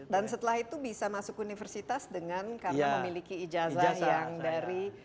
dan setelah itu bisa masuk universitas dengan karena memiliki ijazah yang dari